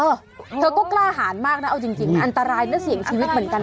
เออเธอก็กล้าหารมากนะเอาจริงมันอันตรายนะเสี่ยงชีวิตเหมือนกันนะ